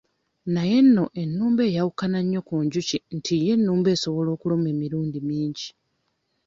Naye nno ennumba eyawukana nnyo ku njuki nti yo ennumba esobola okuluma emirundi mingi.